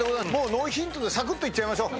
ノーヒントでいっちゃいましょう。